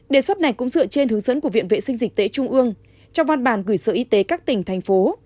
đề xuất này cũng dựa trên hướng dẫn của viện vệ sinh dịch tễ trung ương trong văn bản gửi sở y tế các tỉnh thành phố